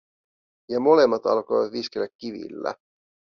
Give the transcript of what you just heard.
Ja molemmat alkoivat viskellä kivillä.